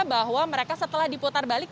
bahwa mereka setelah diputar balik